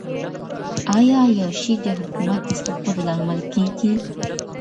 آیا عیاشي د حکومت د سقوط لامل کیږي؟